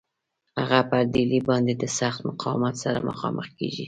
هغه پر ډهلي باندي د سخت مقاومت سره مخامخ کیږي.